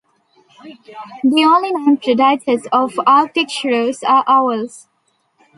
The only known predators of Arctic shrews are owls.